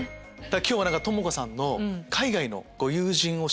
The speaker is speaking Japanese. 今日は智子さんの。